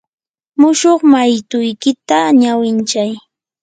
mushuq maytuykita ñawinchay.